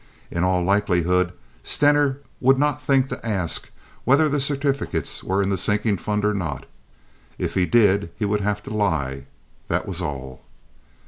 In all likelihood Stener would not think to ask whether the certificates were in the sinking fund or not. If he did, he would have to lie—that was all.